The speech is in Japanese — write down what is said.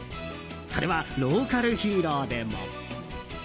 それはローカルヒーローでも。